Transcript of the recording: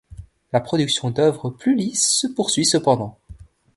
La production d'œuvres plus lisses se poursuit cependant.